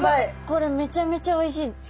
これめちゃめちゃおいしい。